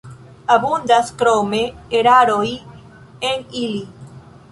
Abundas krome eraroj en ili.